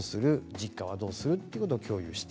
実家はどうする？ということを共有する。